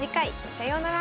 さようなら。